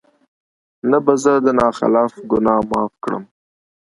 نه به زه د نا خلف ګناه معاف کړم